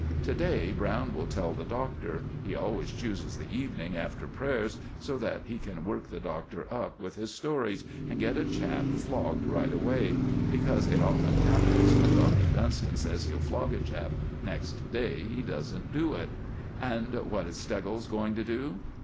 To day Browne will tell the Doctor. He always chooses the evening after prayers, so that he can work the Doctor up with his stories and get a chap flogged right away; because it often happens when Doctor Dunston says he'll flog a chap next day he doesn't do it." "And what is Steggles going to do?"